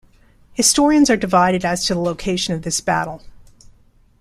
Historians are divided as to the location of this battle.